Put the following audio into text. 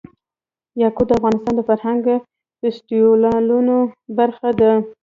یاقوت د افغانستان د فرهنګي فستیوالونو برخه ده.